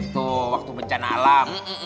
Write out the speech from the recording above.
tuh waktu bencana alam